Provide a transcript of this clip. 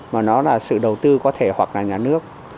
mà nó là sự đầu tư có thể hoặc là nhà nước